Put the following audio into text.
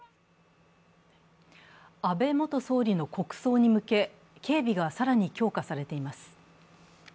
安倍元総理の国葬に向け警備が更に強化されています。